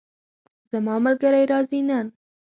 زما ملګری راځي نن